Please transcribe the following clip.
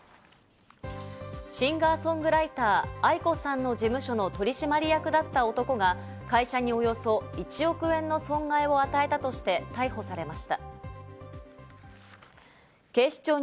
シンガー・ソングライター、ａｉｋｏさんの事務所の取締役だった男が、会社におよそ１億円の損害を与えたとして逮捕されました。